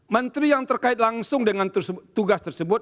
menteri yang terkait langsung dengan tugas tersebut